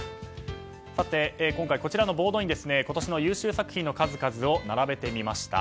今回、こちらのボードに今年の優秀作品の数々を並べてみました。